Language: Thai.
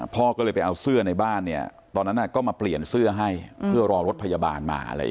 พ่อก็เลยไปเอาเสื้อในบ้านเนี่ยตอนนั้นก็มาเปลี่ยนเสื้อให้เพื่อรอรถพยาบาลมาอะไรอย่างนี้